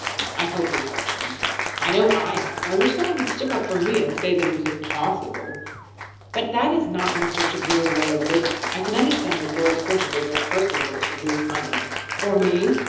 "I hope he hasn't. I know I have. I wish someone would stick up for me, and say that it was impossible." "But that is not Mr. Tregear's way of living. I can understand that Lord Silverbridge or Percival should lose money." "Or me?"